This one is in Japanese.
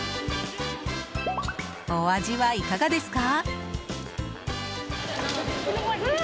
お味はいかがですか？